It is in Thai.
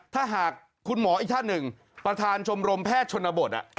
ถ้าหากคุณหมออีกท่านหนึ่งประธานชมรมแพทย์ชนบท